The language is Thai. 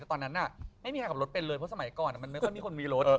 ตอนนั้นไม่มีใครขับรถเป็นเลยเพราะสมัยก่อนมันไม่ค่อยมีคนมีรถ